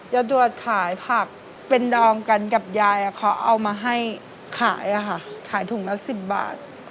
เยอะทวดขายผักเป็นดองกันกับยายอ่ะเขาเอามาให้ขายน่ะฮะขายถุงลักษณ์สิบบาท